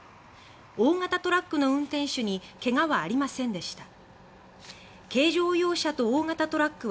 大型トラックの運転手に怪我はありませんでした。